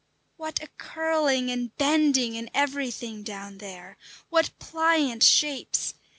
What a curling and bending in everything down there! What pliant shapes!